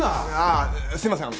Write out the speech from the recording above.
あすいません。